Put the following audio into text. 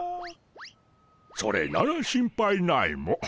それなら心配ないモ。